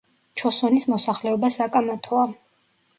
ჩოსონის მოსახლეობა საკამათოა.